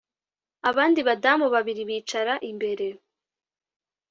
abandi badamu babiri bicara imbere